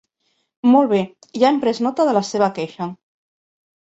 Molt bé, ja hem pres nota de la seva queixa.